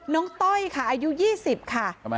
ต้อยค่ะอายุ๒๐ค่ะ